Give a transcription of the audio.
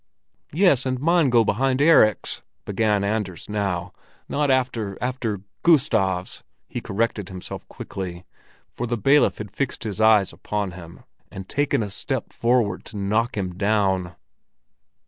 "Yes, and mine go behind Erik's," began Anders now, "not after— after Gustav's," he corrected himself quickly, for the bailiff had fixed his eyes upon him, and taken a step forward to knock him down.